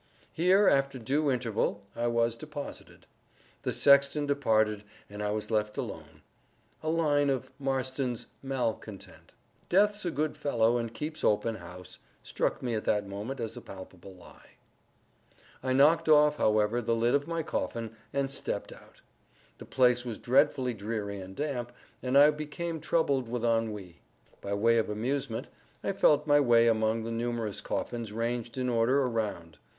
Here, after due interval, I was deposited. The sexton departed, and I was left alone. A line of Marston's "Malcontent"— Death's a good fellow and keeps open house— struck me at that moment as a palpable lie. I knocked off, however, the lid of my coffin, and stepped out. The place was dreadfully dreary and damp, and I became troubled with ennui. By way of amusement, I felt my way among the numerous coffins ranged in order around.